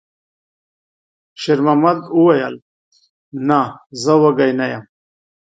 شېرمحمد وویل: «نه، زه وږی نه یم.»